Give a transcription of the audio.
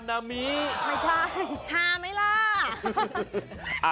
ทามั้ยล่ะ